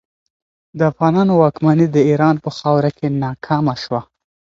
د افغانانو واکمني د ایران په خاوره کې ناکامه شوه.